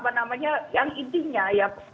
apa namanya yang intinya ya